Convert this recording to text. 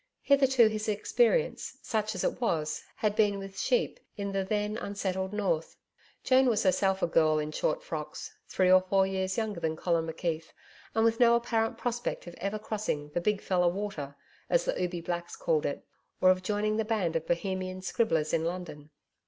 hitherto his experience, such as it was, had been with sheep in the, then, unsettled north. Joan was herself a girl in short frocks, three or four years younger than Colin McKeith, and with no apparent prospect of ever crossing the 'big fella Water,' as the Ubi Blacks called it, or of joining the band of Bohemian scribblers in London.